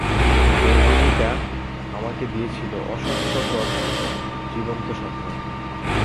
বেগুনীটা আমাকে দিয়েছিল অস্বস্তিকর জীবন্ত স্বপ্ন।